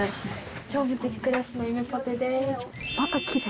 『超無敵クラス』のゆめぽてです。